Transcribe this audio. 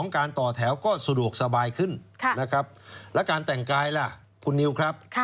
การต่อแถวก็สะดวกสบายขึ้นนะครับแล้วการแต่งกายล่ะคุณนิวครับ